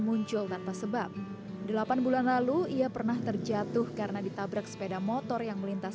muncul tanpa sebab delapan bulan lalu ia pernah terjatuh karena ditabrak sepeda motor yang melintas